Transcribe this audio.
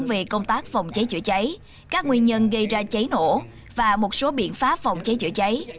về công tác phòng cháy chữa cháy các nguyên nhân gây ra cháy nổ và một số biện pháp phòng cháy chữa cháy